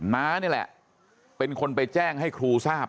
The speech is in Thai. น้านี่แหละเป็นคนไปแจ้งให้ครูทราบ